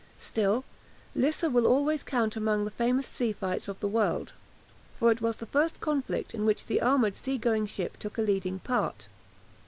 Still, Lissa will always count among the famous sea fights of the world, for it was the first conflict in which the armoured sea going ship took a leading part.